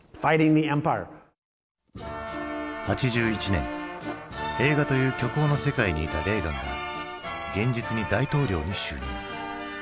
８１年映画という虚構の世界にいたレーガンが現実に大統領に就任。